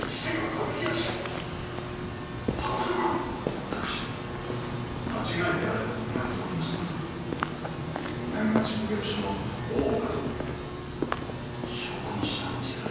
私も間違いであればと願っておりましたが南町奉行所の大岡殿より証拠の品を見せられまして。